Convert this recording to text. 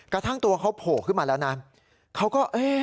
กระทั่งตัวเขาโผล่ขึ้นมาแล้วนะเขาก็เอ๊ะ